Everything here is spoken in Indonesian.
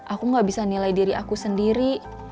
aku gak bisa nilai diri aku sendiri